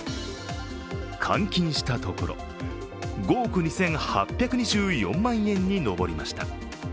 換金したところ、５億２８２４万円に上りました。